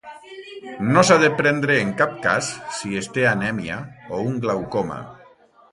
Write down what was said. No s'ha de prendre en cap cas si es té anèmia o un glaucoma.